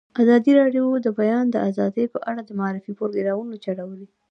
ازادي راډیو د د بیان آزادي په اړه د معارفې پروګرامونه چلولي.